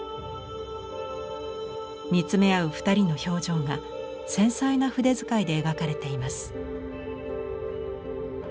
見つめ合う２人の表情が繊細な筆遣いで描かれています。